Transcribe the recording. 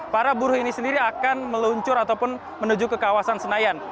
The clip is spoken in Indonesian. para buruh ini sendiri akan meluncur ataupun menuju ke kawasan senayan